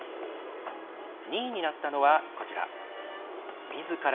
２位になったのはこちら。